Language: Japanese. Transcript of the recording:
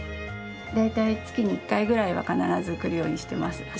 大体月に１回くらいは必ず来るようにしています。